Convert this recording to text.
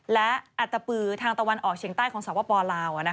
และอัตตปือทางตะวันออกเฉียงใต้ของสปลาว